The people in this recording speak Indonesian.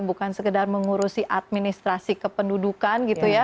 bukan sekedar mengurusi administrasi kependudukan gitu ya